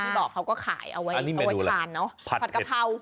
บอกเขาก็ขายเอาไว้ทานเนาะ